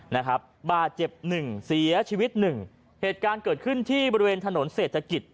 นะครับบาดเจ็บหนึ่งเสียชีวิตหนึ่งเหตุการณ์เกิดขึ้นที่บริเวณถนนเศรษฐกิจ